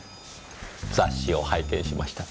雑誌を拝見しました。